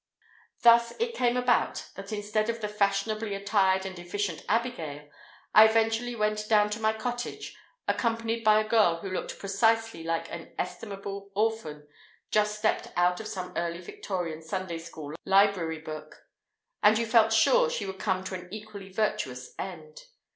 Thus it came about that instead of the fashionably attired and efficient Abigail, I eventually went down to my cottage accompanied by a girl who looked precisely like an estimable orphan, just stepped out of some Early Victorian Sunday school library book; and you felt sure she would come to an equally virtuous end.